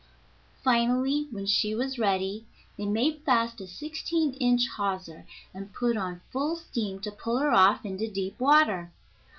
Finally, when she was ready they made fast a sixteen inch hawser, and put on full steam to pull her off into deep water.